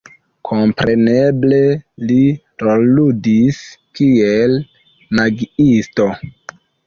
Kompreneble li rolludis kiel magiisto.